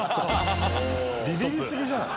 ビビり過ぎじゃない？